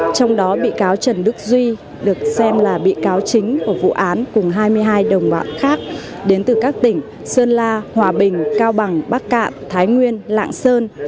trong đó bị cáo trần đức duy được xem là bị cáo chính của vụ án cùng hai mươi hai đồng bọn khác đến từ các tỉnh sơn la hòa bình cao bằng bắc cạn thái nguyên lạng sơn